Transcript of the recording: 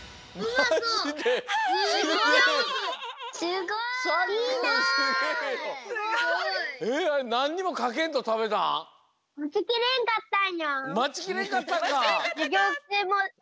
まちきれんかったか。